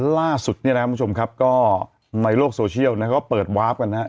ล่าสุดนี่แหละคุณผู้ชมครับก็ในโลกโซเชียลนะก็เปิดวาร์ฟกันนะ